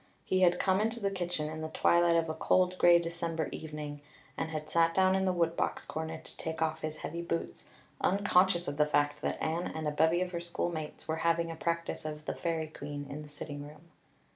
He had come into the kitchen, in the twilight of a cold, gray December evening, and had sat down in the woodbox corner to take off his heavy boots, unconscious of the fact that Anne and a bevy of her schoolmates were having a practice of "The Fairy Queen" in the sitting room.